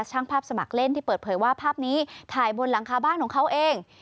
ช่างภาพสมัครเล่นที่เปิดเผยว่าภาพนี้ถ่ายบนหลังคาบ้านของเขาเอง